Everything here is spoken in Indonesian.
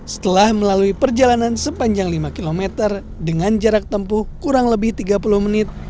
setelah melalui perjalanan sepanjang lima km dengan jarak tempuh kurang lebih tiga puluh menit